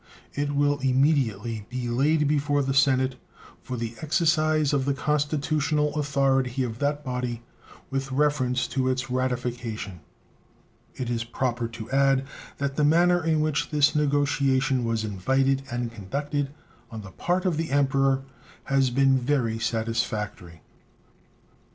It will immediately be laid before the Senate for the exercise of the constitutional authority of that body with reference to its ratification. It is proper to add that the manner in which this negotiation was invited and conducted on the part of the Emperor has been very satisfactory.